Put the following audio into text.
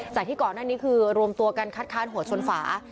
จากที่ก่อนหน้านี้คือรวมตัวกันคัดค้านหัวชนฝา